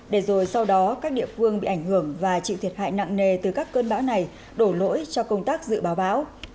để rồi sau đó các địa phương bị ảnh hưởng và chịu thiệt hại nặng nề từ các cơn bão này đổ lỗi cho công tác dự báo bão